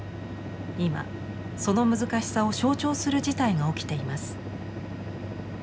今その難しさを象徴する事態が起きています。